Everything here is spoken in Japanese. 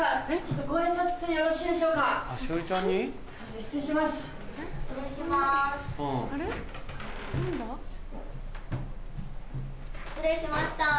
失礼しました。